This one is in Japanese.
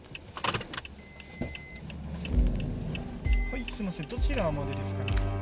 はいすみませんどちらまでですか？